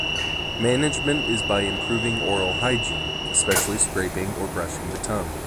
Management is by improving oral hygiene, especially scraping or brushing the tongue.